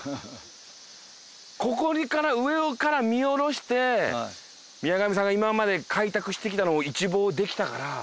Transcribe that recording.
ここから上から見下ろして宮上さんが今まで開拓してきたのを一望できたから。